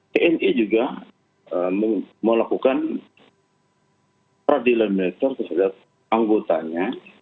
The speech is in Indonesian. tni juga melakukan peradilan militer terhadap anggotanya